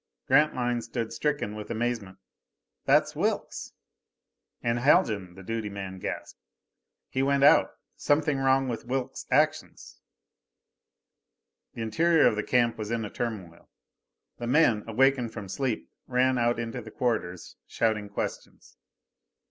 Grantline stood stricken with amazement. "That's Wilks!" "And Haljan," the duty man gasped. "He went out something wrong with Wilks' actions " The interior of the camp was in a turmoil. The men, awakened from sleep, ran out into the corridors shouting questions.